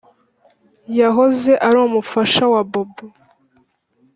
yahoze ari umufasha wa bobo